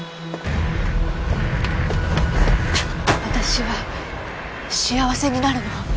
私は幸せになるの。